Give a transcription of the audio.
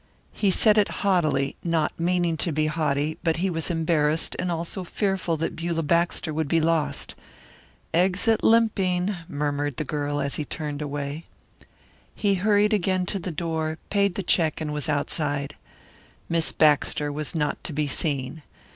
He said it haughtily, not meaning to be haughty, but he was embarrassed and also fearful that Beulah Baxter would be lost. "Exit limping," murmured the girl as he turned away. He hurried again to the door, paid the check and was outside. Miss Baxter was not to be seen.